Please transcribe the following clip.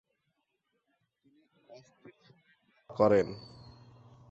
তিনি অস্থির সময় পার করেন।